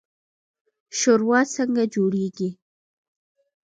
شورا څنګه جوړیږي؟